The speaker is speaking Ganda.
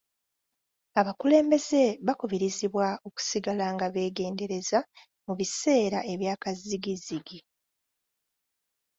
Abakulembeze bakubirizibwa okusigala nga beegendereza mu biseera ebyakazzigizzigi.